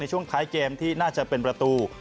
ช่วงท้ายเกมที่น่าจะเป็นประตู